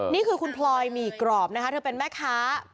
นี่คือคุณพลอยหมี่กรอบนะคะเธอเป็นแม่ค้า